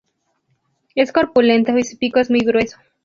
Es corpulento y su pico es muy grueso.